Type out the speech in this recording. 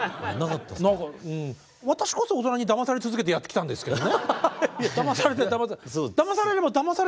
私こそ大人にダマされ続けてやってきたんですけどね。